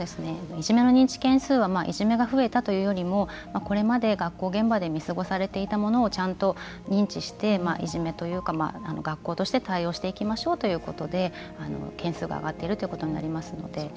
いじめの認知件数はいじめが増えたというよりもこれまで学校現場で見過ごされていたものをちゃんと認知していじめというか学校として対応していきましょうということで件数が上がっているということになりますので。